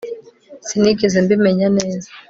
Sinigeze mbimenya neza